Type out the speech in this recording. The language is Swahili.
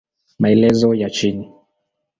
Maelezo ya chini